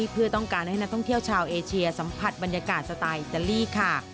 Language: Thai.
เพื่อต้องการให้นักท่องเที่ยวชาวเอเชียสัมผัสบรรยากาศสไตล์อิตาลีค่ะ